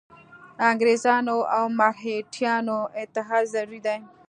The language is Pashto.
انګرېزانو او مرهټیانو اتحاد ضروري دی.